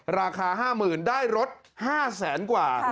ราคาห้าหมื่นได้รถห้าแสนกว่า